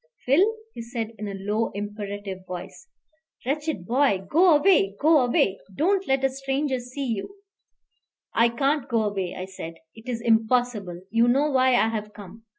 "Phil," he said, in a low, imperative voice, "wretched boy, go away go away; don't let a stranger see you " "I can't go away," I said. "It is impossible. You know why I have come.